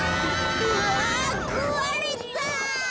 うわくわれた！